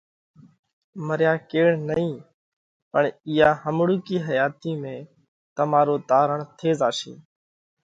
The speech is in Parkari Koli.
مريا ڪيڙ نئين پڻ اِيئا همڻُوڪِي حياتِي ۾، تمارو تارڻ ٿي زاشي۔